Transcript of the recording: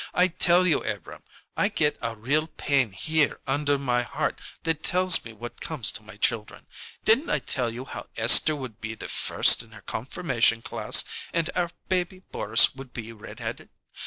I tell you, Abrahm, I get a real pain here under my heart that tells me what comes to my children. Didn't I tell you how Esther would be the first in her confirmation class and our baby Boris would be redheaded?